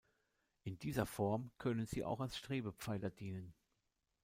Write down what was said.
In dieser Form können sie auch als Strebepfeiler dienen.